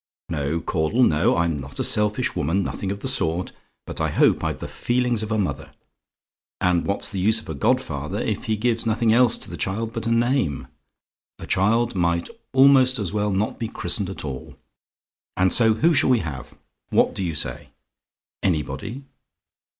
No, Caudle, no; I'm not a selfish woman nothing of the sort but I hope I've the feelings of a mother; and what's the use of a godfather if he gives nothing else to the child but a name? A child might almost as well not be christened at all. And so who shall we have? What do you say? "ANYBODY?